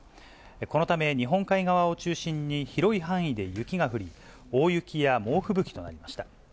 このため、日本海側を中心に、広い範囲で雪が降り、大雪や猛吹雪となりました。